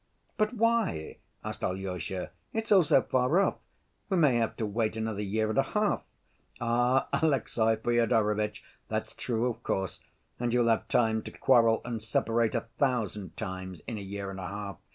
"But why?" asked Alyosha. "It's all so far off. We may have to wait another year and a half." "Ah, Alexey Fyodorovitch, that's true, of course, and you'll have time to quarrel and separate a thousand times in a year and a half.